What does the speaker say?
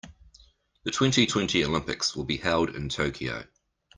The twenty-twenty Olympics will be held in Tokyo.